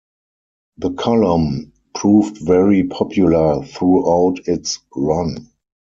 The column proved very popular throughout its run.